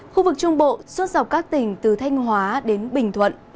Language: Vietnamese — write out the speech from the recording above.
khu vực trung bộ xuất dọc các tỉnh từ thanh hóa đến bình thuận